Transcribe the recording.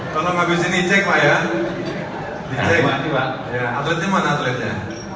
tolong aku sini di cek pak ya di cek atletnya mana atletnya